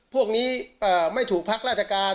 พวกนี้ไม่ถูกพักราชการ